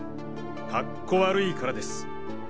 カッコ悪いからです！